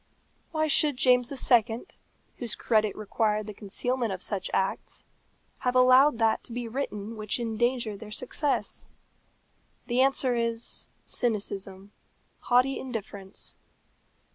Why should James II., whose credit required the concealment of such acts, have allowed that to be written which endangered their success? The answer is, cynicism haughty indifference.